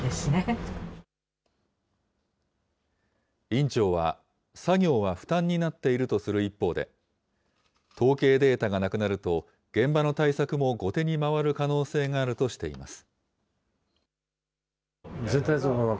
院長は、作業は負担になっているとする一方で、統計データがなくなると、現場の対策も後手に回る可能性があるとしています。